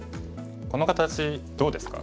この形どうですか？